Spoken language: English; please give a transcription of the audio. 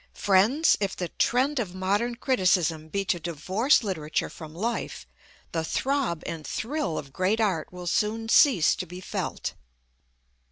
Friends, if the trend of modern criticism be to divorce literature from life, the throb and thrill of great art will soon cease to be felt."